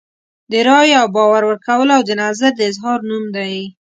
د رایې او باور ورکولو او د نظر د اظهار نوم دی.